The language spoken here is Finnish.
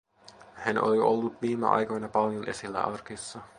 Hän oli ollut viime aikoina paljon esillä arkissa.